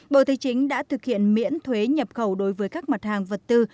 bộ tây chính đã thực hiện miễn thuế nhập khẩu đối với các mặt hàng vật tư